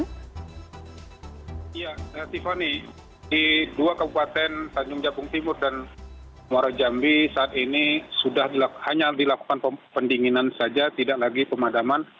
ya tiffany di dua kabupaten tanjung jabung timur dan muara jambi saat ini hanya dilakukan pendinginan saja tidak lagi pemadaman